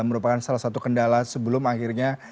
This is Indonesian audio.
merupakan salah satu kendala sebelum akhirnya